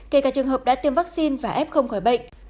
kể cả trường hợp đã tiêm vaccine và f không khỏi bệnh